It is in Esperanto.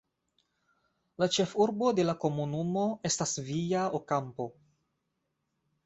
La ĉefurbo de la komunumo estas Villa Ocampo.